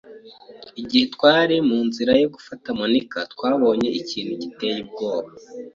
Igihe twari mu nzira yo gufata Monika, twabonye ikintu giteye ubwoba.